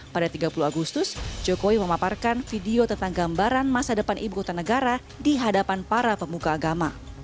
pada tiga puluh agustus jokowi memaparkan video tentang gambaran masa depan ibu kota negara di hadapan para pemuka agama